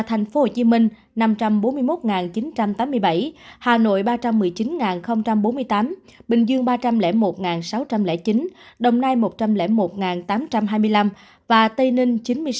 tp hcm năm trăm bốn mươi một chín trăm tám mươi bảy hà nội ba trăm một mươi chín bốn mươi tám bình dương ba trăm linh một sáu trăm linh chín đồng nai một trăm linh một tám trăm hai mươi năm và tây ninh chín mươi sáu